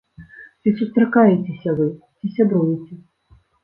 Ці сустракаецеся вы, ці сябруеце?